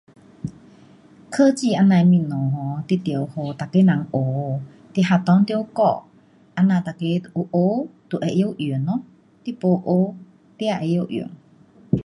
科技这样的东西 um 你得给每个人学。你学校得教，这样每个有学就会会晓用咯。你没学，哪会晓用？